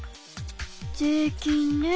税金ね。